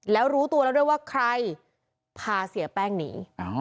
แล้วรู้ตัวแล้วด้วยว่าใครพาเสียแป้งหนี